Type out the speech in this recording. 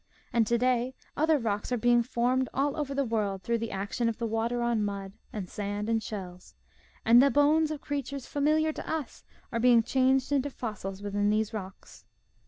And to day other rocks are being formed all over the world through the action of water on mud and sand and shells, and the bones of crea tures familiar to us are being changed into fossils within these rocks.